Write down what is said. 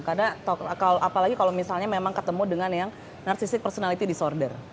karena apalagi kalau misalnya memang ketemu dengan yang narcissistic personality disorder